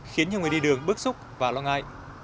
khiến nhiều người đi đường bức xúc và lo ngại